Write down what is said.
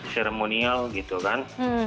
seremonial gitu kan